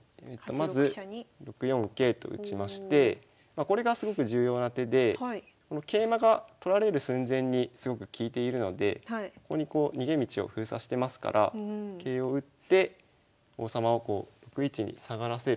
まず６四桂と打ちましてこれがすごく重要な手でこの桂馬が取られる寸前にすごく利いているのでここにこう逃げ道を封鎖してますから桂を打って王様をこう６一に下がらせる。